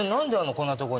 こんなとこに。